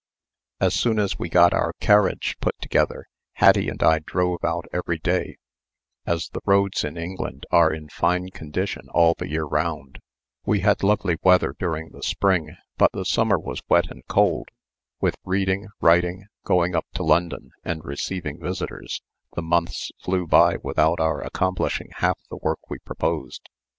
As soon as we got our carriage put together Hattie and I drove out every day, as the roads in England are in fine condition all the year round. We had lovely weather during the spring, but the summer was wet and cold. With reading, writing, going up to London, and receiving visitors, the months flew by without our accomplishing half the work we proposed.